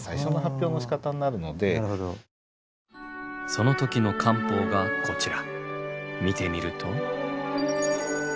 その時の官報がこちら。